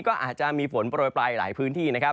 ก็อาจจะมีฝนปล่อยปลายหลายพื้นที่